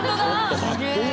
すげえ！